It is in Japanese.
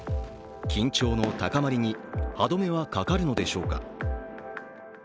緊張の高まりに歯どめはかかるのでしょうか。